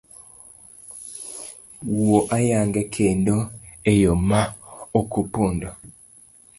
Wuo ayanga kendo eyo ma okopondo.